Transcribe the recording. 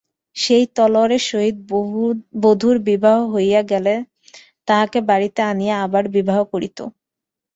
সেই তলোয়ারের সহিত বধূর বিবাহ হইয়া গেলে তাহাকে বাড়িতে আনিয়া আবার বিবাহ করিত।